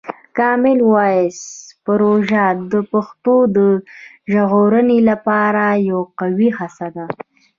کامن وایس پروژه د پښتو د ژغورلو لپاره یوه قوي هڅه ده.